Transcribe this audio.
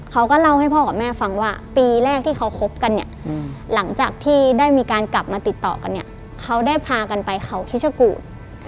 เขาก็เล่าให้พ่อกับแม่ฟังว่าปีแรกที่เขาคบกันเนี่ยหลังจากที่ได้มีการกลับมาติดต่อกันเนี่ยเขาได้พากันไปเขาคิชกูธ